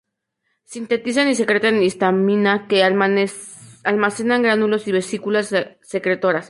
Sintetizan y secretan histamina, que almacenan en gránulos y vesículas secretoras.